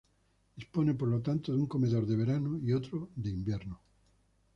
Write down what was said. Dispone por lo tanto de un comedor de verano y otro de invierno.